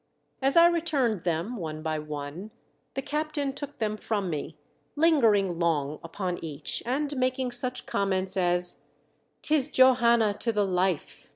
As I returned them one by one, the captain took them from me, lingering long upon each and making such comments as "'Tis Johanna to the life!"